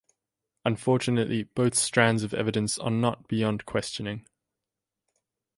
Unfortunately, both strands of evidence are not beyond questioning.